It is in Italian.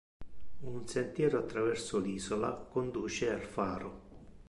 Un sentiero attraverso l'isola conduce al faro.